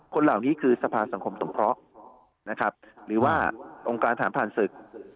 คนเหล่านี้คือสภาสังคมสงเคราะห์นะครับหรือว่าองค์การฐานผ่านศึก